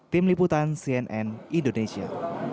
tim liputan cnn indonesia